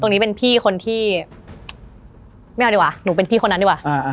ตรงนี้เป็นพี่คนที่ไม่เอาดีกว่าหนูเป็นพี่คนนั้นดีกว่า